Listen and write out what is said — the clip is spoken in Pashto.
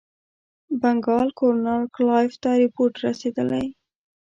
بنکال ګورنر کلایف ته رپوټ رسېدلی.